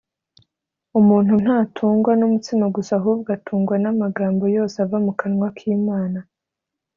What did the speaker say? “Umuntu ntatungwa n’umutsima gusa, ahubwo atungwa n’amagambo yose ava mu kanwa k’Imana.